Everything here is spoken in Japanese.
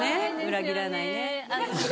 裏切らない。